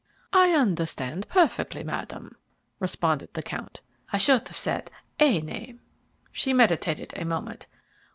"I understand perfectly, Madam," responded the count. "I should have said a name." She meditated a moment.